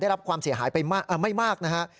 ได้รับความเสียหายไม่มากนะครับ